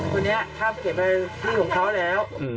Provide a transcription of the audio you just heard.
ตอนนี้ข้ามเขตไปที่ของเขาแล้ว